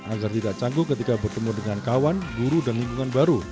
agar tidak cangguh ketika bertemu dengan kawan guru dan lingkungan baru